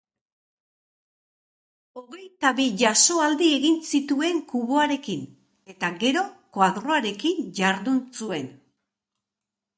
Hogeita bi jasoaldi egin zituen kuboarekin, eta gero koadroarekin jardun zuen.